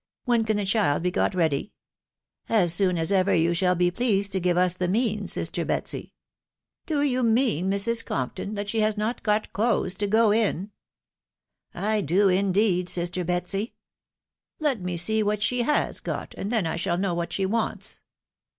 When can the child be got ready? "" As soon as ever you shall be pleased to give us the means, sister Betsy." " Do you mean, Mrs.,Compton, that she has not got clothes to go in ? n " I do indeed, sister Betsy." " Let me see what she has got, and then I shall know what she wants."